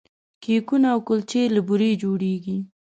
کیکونه او کلچې له بوري جوړیږي.